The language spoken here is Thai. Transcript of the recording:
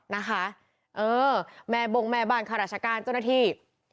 นะคะเออแม่บงแม่บ้านข้าราชการเจ้าหน้าที่